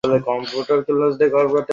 কয় চামচ চিনি দিয়েছো?